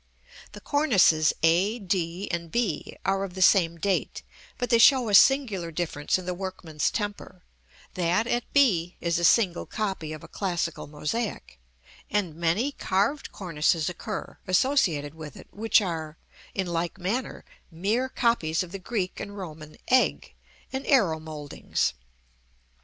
The cornices, a, d, and b, are of the same date, but they show a singular difference in the workman's temper: that at b is a single copy of a classical mosaic; and many carved cornices occur, associated with it, which are, in like manner, mere copies of the Greek and Roman egg and arrow mouldings.